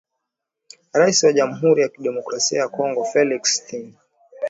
Rais wa Jamuhuri ya Kidemokrasia ya Kongo Felix Thisekedi